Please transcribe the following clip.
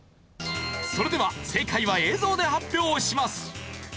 それでは正解は映像で発表します。